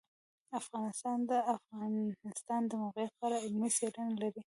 افغانستان د د افغانستان د موقعیت په اړه علمي څېړنې لري.